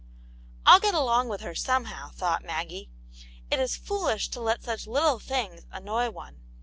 "I'll get along with her, somehow," thought Maggie. "It is foolish to let such little things annoy one."